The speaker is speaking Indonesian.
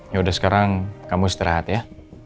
yaudah sekarang kamu istirahat ya